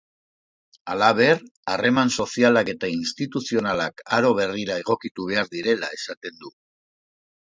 Halaber, harreman sozialak eta instituzionalak aro berrira egokitu behar direla esaten du.